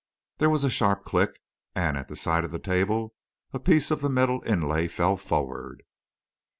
There was a sharp click, and, at the side of the table, a piece of the metal inlay fell forward.